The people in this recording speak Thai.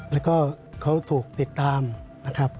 แล้วก็เขาถูกติดตามนะครับ